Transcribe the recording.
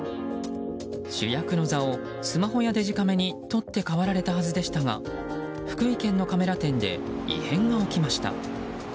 主役の座をスマホやデジカメに取って代わられたはずでしたが福井県のカメラ店で異変が起きました。